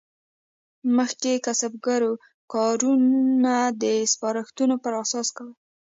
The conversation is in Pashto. مخکې کسبګرو کارونه د سپارښتونو پر اساس کول.